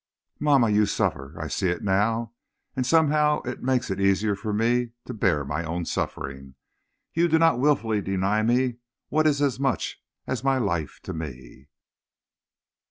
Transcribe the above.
"Mamma, you suffer. I see it now, and somehow it makes it easier for me to bear my own suffering. You do not willfully deny me what is as much as my life to me."